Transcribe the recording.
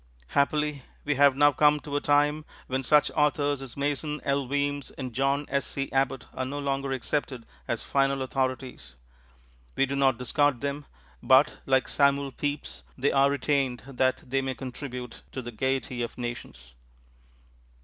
Happily, we have now come to a time when such authors as Mason L. Weems and John S.C. Abbott are no longer accepted as final authorities. We do not discard them, but, like Samuel Pepys, they are retained that they may contribute to the gaiety of nations.